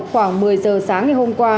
khoảng một mươi giờ sáng ngày hôm qua